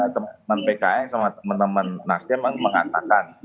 teman pkn sama teman teman nasdiq mengatakan